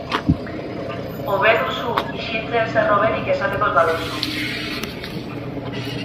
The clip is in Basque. Hobe duzu isiltze ezer hoberik esateko ez baduzu.